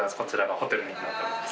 ホテルになっております。